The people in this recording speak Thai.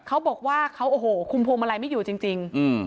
เขาบอกว่าเขาโอ้โหคุมพวงมาลัยไม่อยู่จริง